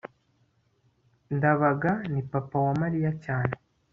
ndabaga ni papa wa mariya cyane